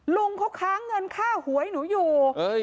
ลุงเขาค้างเงินค่าหวยหนูอยู่